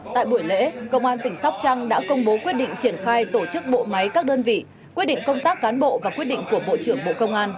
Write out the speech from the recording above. tại buổi lễ công an tỉnh sóc trăng đã công bố quyết định triển khai tổ chức bộ máy các đơn vị quyết định công tác cán bộ và quyết định của bộ trưởng bộ công an